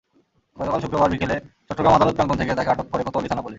গতকাল শুক্রবার বিকেলে চট্টগ্রাম আদালত প্রাঙ্গণ থেকে তাঁকে আটক করে কোতোয়ালি থানা-পুলিশ।